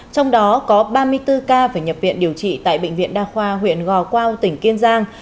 trong đó có ba mươi bốn ca phải nhập viện điều trị tại bệnh viện đa khoa huyện gò quao tỉnh kiên giang